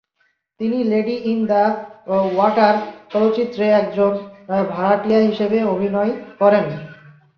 তিনি "Lady in the Water" চলচ্চিত্রে একজন ভাড়াটিয়া হিসেবে অভিনয় করেন।